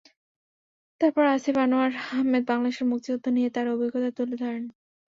তারপর আসিফ আনোয়ার আহমেদ বাংলাদেশের মুক্তিযুদ্ধ নিয়ে তার অভিজ্ঞতা তুলে ধরেন।